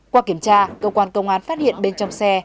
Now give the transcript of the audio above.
qua kiểm tra cơ quan công an phát hiện bên trong xe